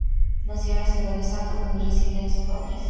Nació en la ciudad de Salto, donde residían sus padres.